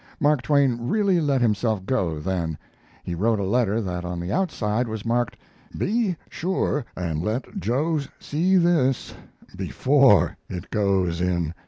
Mark Twain really let himself go then. He wrote a letter that on the outside was marked, "Be sure and let Joe see this before it goes in."